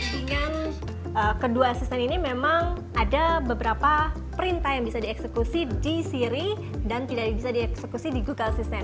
dengan kedua asisten ini memang ada beberapa perintah yang bisa dieksekusi di siri dan tidak bisa dieksekusi di google assistant